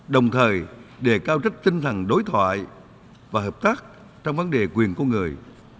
đồng thời đề cao trách tinh thần đối thoại và hợp tác trong vấn đề quyền con người